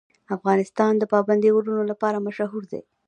افغانستان د پابندی غرونه لپاره مشهور دی.